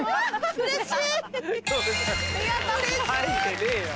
うれしい。